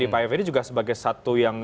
pak fendi juga sebagai satu yang